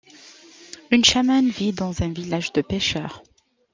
Une chamane vit dans un village de pêcheur.